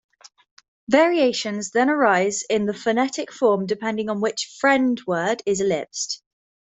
Variations then arise in the phonetic form depending on which "friend" word is ellipsed.